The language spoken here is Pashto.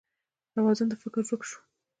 توازون د فکر ورک شو